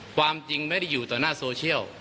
ความจริงไม่ได้อยู่ต่อหน้าโซเชียล